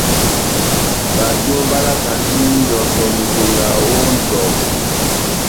Bajo balakandi ihɔtɔ mepenga ó nʼtɔbu.